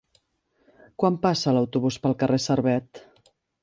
Quan passa l'autobús pel carrer Servet?